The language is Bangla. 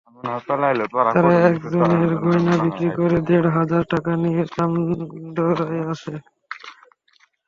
তারা একজনের গয়না বিক্রি করে দেড় হাজার টাকা নিয়ে চান্দরায় আসে।